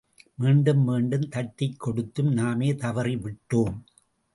மீண்டும் மீண்டும் தட்டிக் கொடுத்தும், நாமே தவறி விட்டோம்.